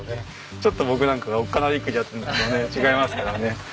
ちょっと僕なんかがおっかなびっくりやってるのとね違いますからね。